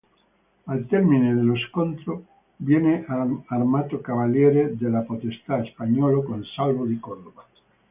Al termine dello scontro, viene armato cavaliere dal potestà spagnolo Consalvo di Cordoba.